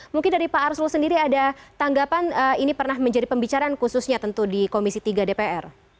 mungkin dari pak arsul sendiri ada tanggapan ini pernah menjadi pembicaraan khususnya tentu di komisi tiga dpr